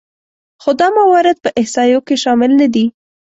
خو دا موارد په احصایو کې شامل نهدي